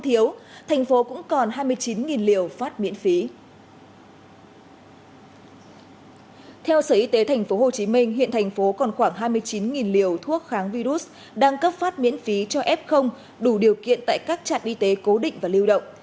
theo sở y tế tp hcm hiện thành phố còn khoảng hai mươi chín liều thuốc kháng virus đang cấp phát miễn phí cho f đủ điều kiện tại các trạm y tế cố định và lưu động